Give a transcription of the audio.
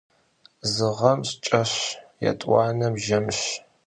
Zı ğem şşç'eş, yêt'uanem jjemş.